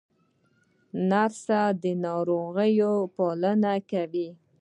نرس د ناروغ پالنه کوي